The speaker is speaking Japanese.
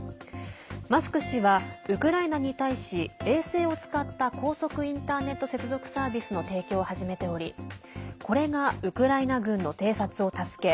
マスク氏はウクライナに対し衛星を使った高速インターネット接続サービスの提供を始めておりこれがウクライナ軍の偵察を助け